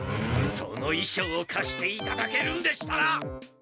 そのいしょうをかしていただけるんでしたら。